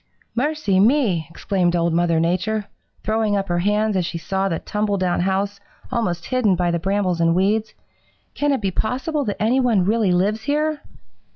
"'Mercy me!' exclaimed Old Mother Nature, throwing up her hands as she saw the tumble down house almost hidden by the brambles and weeds. 'Can it be possible that any one really lives here?'